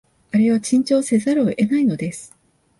あれを珍重せざるを得ないのです